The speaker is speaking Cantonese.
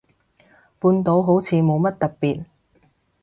半島好似冇乜特別